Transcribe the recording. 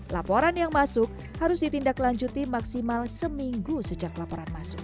laporan yang masuk harus ditindaklanjuti maksimal seminggu sejak laporan masuk